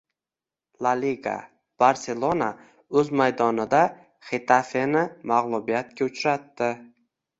La Liga. “Barselona” o‘z maydonida “Xetafe”ni mag‘lubiyatga uchratdi